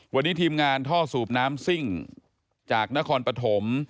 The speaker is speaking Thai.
วันนี้ทีมงานท่อสูบน้ำซิ่งจากนครปฐม